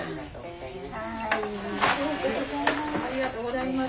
ありがとうございます。